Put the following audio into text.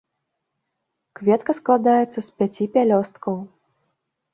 Кветка складаецца з пяці пялёсткаў.